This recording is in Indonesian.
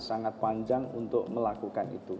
sangat panjang untuk melakukan itu